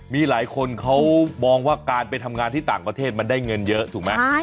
มีหลายคนเขามองว่าการไปทำงานที่ต่างประเทศมันได้เงินเยอะถูกไหม